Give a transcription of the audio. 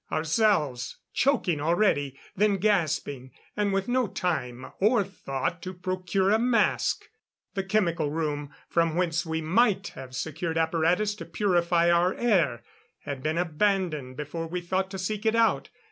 Ourselves, choking already; then gasping; and with no time or thought to procure a mask. The chemical room, from whence we might have secured apparatus to purify our air, had been abandoned before we thought to seek it out.